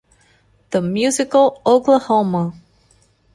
The musical Oklahoma!